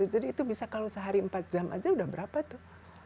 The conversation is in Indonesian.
jadi itu bisa kalau sehari empat jam saja sudah berapa tuh